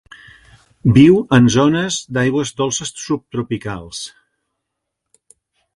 Viu en zones d'aigües dolces subtropicals.